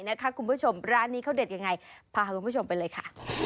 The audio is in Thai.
คุณผู้ชมร้านนี้เขาเด็ดยังไงพาคุณผู้ชมไปเลยค่ะ